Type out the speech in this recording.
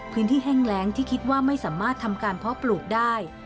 แห้งแรงที่คิดว่าไม่สามารถทำการเพาะปลูกได้